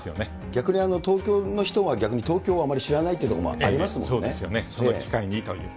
逆に東京の人は逆に東京をあまり知らないというところもありその機会にという。